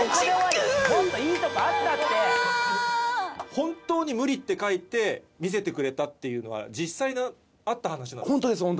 本当に「無理」って書いて見せてくれたっていうのは実際にあった話なんですか？